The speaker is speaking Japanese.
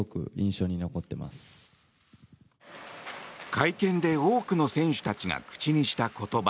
会見で多くの選手たちが口にした言葉。